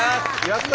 やった！